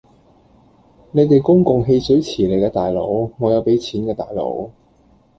你哋公共嬉水池嚟㗎大佬，我有俾錢㗎大佬